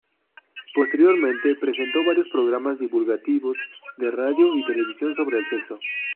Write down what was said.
Posteriormente, presentó varios programas divulgativos de radio y televisión sobre el sexo.